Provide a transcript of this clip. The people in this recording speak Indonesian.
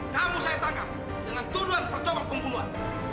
kamu saya tangkap dengan tuduhan percobaan pembunuhan